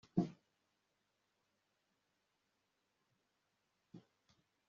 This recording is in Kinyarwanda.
ubudahemuka bwose wagaragarije umugaragu wawe buzakugaruka